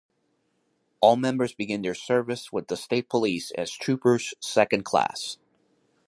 All members begin their service with the state police as Troopers, Second Class.